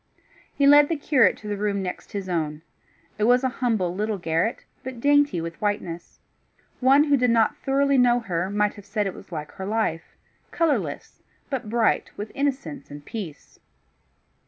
He led the curate to the room next his own. It was a humble little garret, but dainty with whiteness. One who did not thoroughly know her, might have said it was like her life, colourless, but bright with innocence and peace.